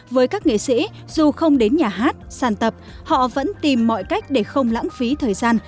với các nghệ sĩ dù không đến nhà hát sàn tập họ vẫn tìm mọi cách để không lãng phí thời gian